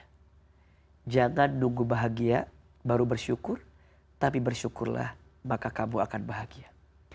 hai jangan nunggu bahagia baru bersyukur tapi bersyukurlah maka kamu akan bahagia